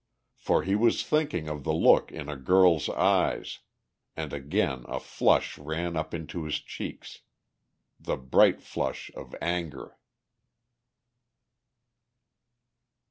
For he was thinking of the look in a girl's eyes, and again a flush ran up into his cheeks, the bright flush of anger.